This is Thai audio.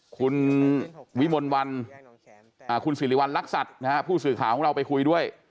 คุณวิมลวันคุณสิริวัณรักษัตริย์นะฮะผู้สื่อข่าวของเราไปคุยด้วย